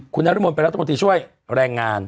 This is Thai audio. คุณนรมนเป็นรัฐมนตรีช่วยแรงงาน